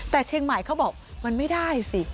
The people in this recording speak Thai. แต่เชียงใหม่เขาบอกมันไม่ได้สิ